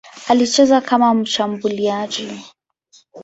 Alicheza kama mshambuliaji.